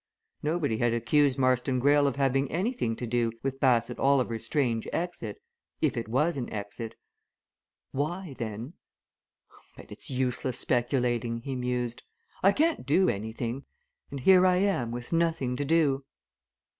Nobody had accused Marston Greyle of having anything to do with Bassett Oliver's strange exit if it was an exit why, then "But it's useless speculating," he mused. "I can't do anything and here I am, with nothing to do!"